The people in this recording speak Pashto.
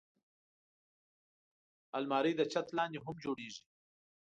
الماري د چت لاندې هم جوړېږي